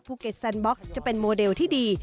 แกแซนบ็อกซ์จะเป็นโมเดลที่ดี